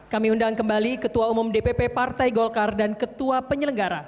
kami undang kembali ketua umum dpp partai golkar dan ketua penyelenggara